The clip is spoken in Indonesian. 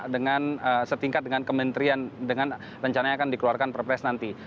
dengan setingkat dengan kementerian dengan rencananya akan dikeluarkan perpres nanti